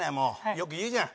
よく言うじゃん。